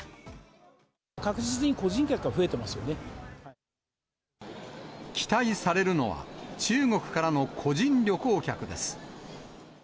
確実に個人客は増えてますよ期待されるのは、中国からの個人旅行客です。